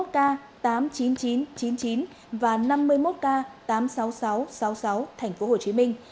năm mươi một k tám mươi chín nghìn chín trăm chín mươi chín và năm mươi một k tám mươi sáu nghìn sáu trăm sáu mươi sáu tp hồ chí minh